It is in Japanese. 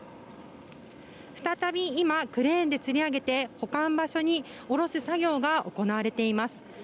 再び今、クレーンでつり上げて保管場所に下ろす作業が行われています。